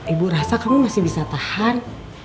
ibu rasa kamu masih bisa tahan